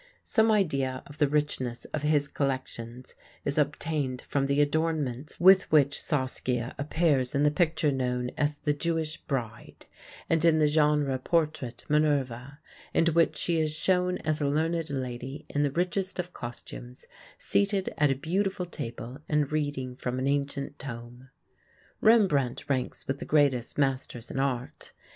Some idea of the richness of his collections is obtained from the adornments with which Saskia appears in the picture known as the "Jewish Bride," and in the genre portrait, "Minerve," in which she is shown as a learned lady in the richest of costumes, seated at a beautiful table and reading from an ancient tome. Rembrandt ranks with the greatest masters in art.